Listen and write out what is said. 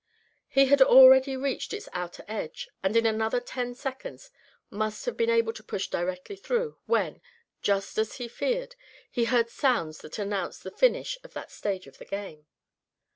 He had already reached its outer edge, and in another ten seconds must have been able to push directly through, when, just as he feared, he heard sounds that announced the finish of that stage of the game.